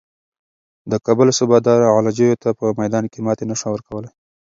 د کابل صوبه دار غلجیو ته په میدان کې ماتې نه شوه ورکولای.